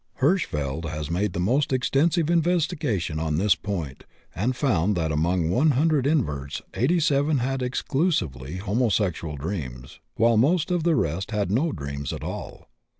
Hirschfeld has made the most extensive investigation on this point, and found that among 100 inverts 87 had exclusively homosexual dreams, while most of the rest had no dreams at all.